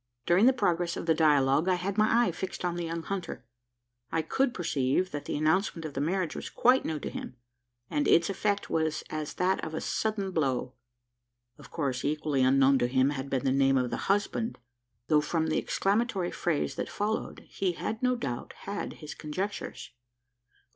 During the progress of the dialogue, I had my eye fixed on the young hunter. I could perceive that the announcement of the marriage was quite new to him; and its effect was as that of a sudden blow. Of course, equally unknown to him had been the name of the husband; though from the exclamatory phrase that followed, he had no doubt had his conjectures.